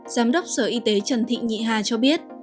giám đốc sở y tế trần thị nhị hà cho biết